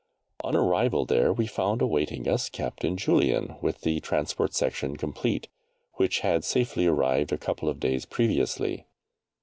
On arrival there we found awaiting us Captain Julian with the transport section complete, which had safely arrived a couple of days previously.